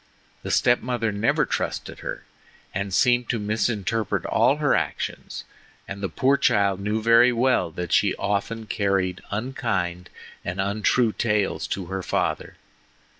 The step mother never trusted her, and seemed to misinterpret all her actions, and the poor child knew very well that she often carried unkind and untrue tales to her father.